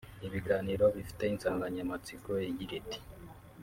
Ibi biganiro bifite insanganyamatsiko igira iti